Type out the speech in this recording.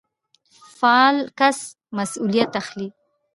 فعال کس مسوليت اخلي.